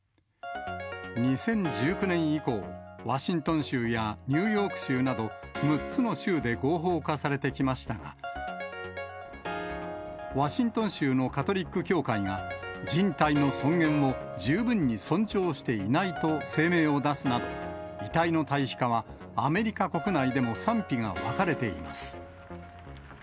２０１９年以降、ワシントン州やニューヨーク州など、６つの州で合法化されてきましたが、ワシントン州のカトリック教会が、人体の尊厳を十分に尊重していないと声明を出すなど、遺体の堆肥化はアメリカ国内でも賛否が分かれています。